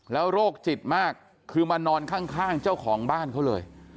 โรคจิตมากคือมานอนข้างเจ้าของบ้านเขาเลย